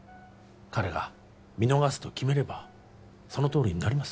彼が見逃すと決めればそのとおりになります